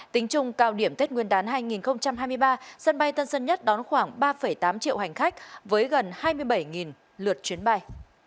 tính chung cao điểm tết nguyên đán hai nghìn hai mươi ba sân bay tân sơn nhất đón khoảng ba tám triệu hành khách với gần hai mươi bảy lượt chuyến bay